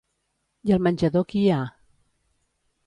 I al menjador qui hi ha?